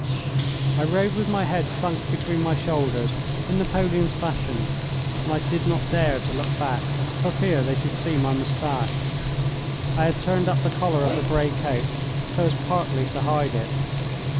I rode with my head sunk between my shoulders in Napoleon's fashion, and I did not dare to look back for fear they should see my moustache. I had turned up the collar of the grey coat so as partly to hide it.